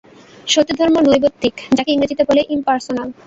সতীধর্ম নৈর্ব্যক্তিক, যাকে ইংরেজিতে বলে ইম্পার্সোনাল।